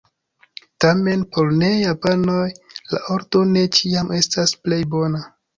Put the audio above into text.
Tamen, por ne-japanoj la ordo ne ĉiam estas plej bona.